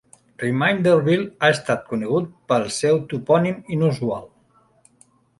Reminderville ha estat conegut pel seu topònim inusual.